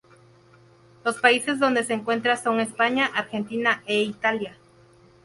Los países donde se encuentra son España, Argentina e Italia.